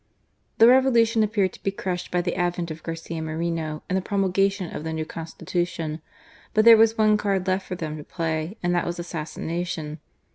The Revolution appeared to be crushed by the advent of Garcia Moreno and the promulgation of the new Constitution. But there was one card left for them to play, and that was assassination.